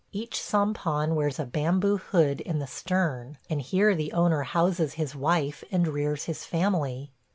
Each sampan wears a bamboo hood in the stern, and here the owner houses his wife and rears his family.